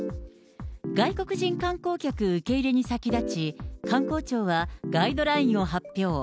外国人観光客受け入れに先立ち、観光庁は、ガイドラインを発表。